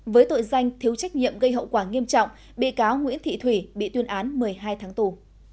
với tội danh thiếu trách nhiệm gây hậu quả nghiêm trọng bị cáo nguyễn thị thủy bị tuyên án một mươi hai tháng tù